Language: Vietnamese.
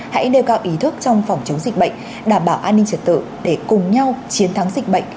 hãy nêu cao ý thức trong phòng chống dịch bệnh đảm bảo an ninh trật tự để cùng nhau chiến thắng dịch bệnh